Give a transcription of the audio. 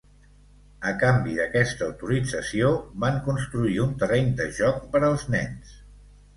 A canvi d'aquesta autorització, van construir un terreny de joc per als nens.